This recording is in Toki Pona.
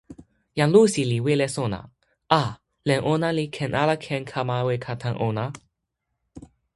"jan Lusi li wile sona: "a, len ona li ken ala ken kama weka tan ona?"